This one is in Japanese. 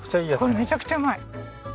これめちゃくちゃうまい。